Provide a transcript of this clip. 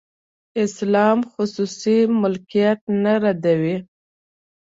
اسلام خصوصي ملکیت نه ردوي.